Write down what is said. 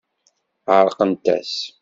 Ɛeṛqent-as.